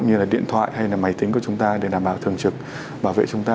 như là điện thoại hay là máy tính của chúng ta để đảm bảo thường trực bảo vệ chúng ta